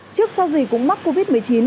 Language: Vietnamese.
trước sau gì cũng mắc covid một mươi chín